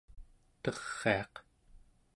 teriaq